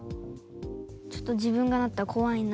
ちょっと自分がなったら怖いな。